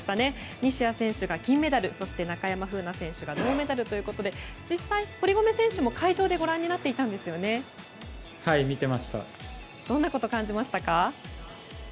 西矢選手が金メダルそして中山楓奈選手が銅メダルということで実際、堀米選手も会場でご覧になってたんですよね。どんなこと感じましたか？